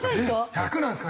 １００なんですか？